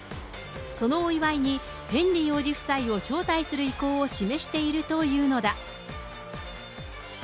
そのお祝いに、ヘンリー王子夫妻を招待する意向を示しているというのだ。